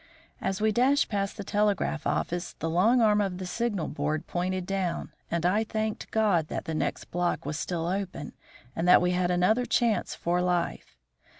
As we dashed past the telegraph office the long arm of the signal board pointed down, and I thanked God that the next block was still open, and that we had another chance for life.